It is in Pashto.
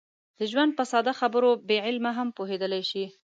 د ژوند په ساده خبرو بې علمه هم پوهېدلی شي.